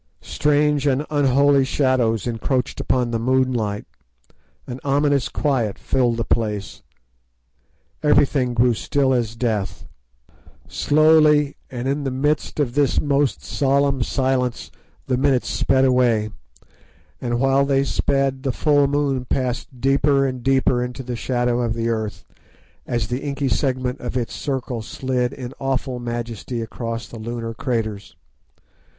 Strange and unholy shadows encroached upon the moonlight, an ominous quiet filled the place. Everything grew still as death. Slowly and in the midst of this most solemn silence the minutes sped away, and while they sped the full moon passed deeper and deeper into the shadow of the earth, as the inky segment of its circle slid in awful majesty across the lunar craters.